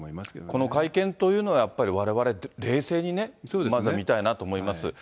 この会見というのは、やっぱりわれわれ、冷静にね、まずは見たいなと思いますね。